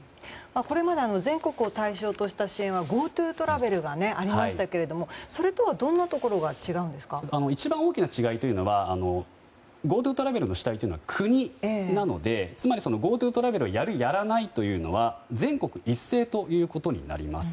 これまで全国を対象とした支援はＧｏＴｏトラベルがありましたけれどもそれとはどんなところが一番大きな違いはＧｏＴｏトラベルの主体は国なのでつまりＧｏＴｏトラベルをやる、やらないというのは全国一斉ということになります。